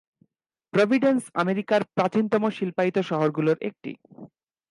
Providence আমেরিকার প্রাচীনতম শিল্পায়িত শহরগুলোর একটি।